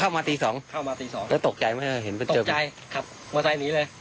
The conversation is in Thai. เข้ามาตีสองแล้วตกไกลไม่เห็นตกใจขับมอเซอร์นี้เลย